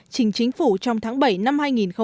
trình chính phủ trong tháng bảy năm hai nghìn hai mươi